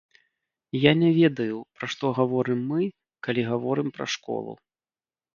Я не ведаю, пра што гаворым мы, калі гаворым пра школу.